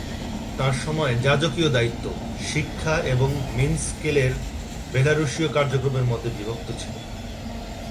তার সময় যাজকীয় দায়িত্ব, শিক্ষা এবং মিন্স্কের বেলারুশীয় কার্যক্রমের মধ্যে বিভক্ত ছিল।